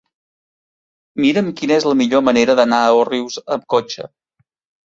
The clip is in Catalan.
Mira'm quina és la millor manera d'anar a Òrrius amb cotxe.